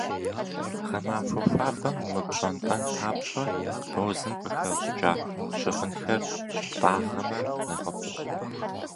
Гъэмахуэ хуабэм умыпщӏэнтӏэн папщӏэ, бозым къыхэщӏыкӏа щыгъынхэр щыптӏагъэмэ, нэхъыфӏщ.